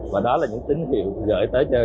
và đó là những tín hiệu gửi tới cho